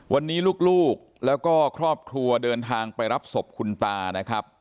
วันนี้ลูกแล้วก็ครอบครัวเดินทางไปรับศพคุณตานะครับ